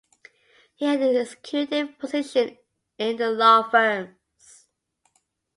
He held executive positions in the law firms.